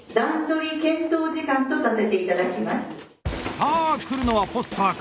さあ来るのはポスターか